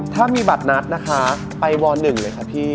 ถ้ามีบัตรนัดนะคะไปว๑เลยค่ะพี่